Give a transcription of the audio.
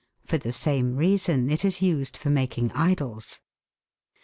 For the same reason it is used for making idols.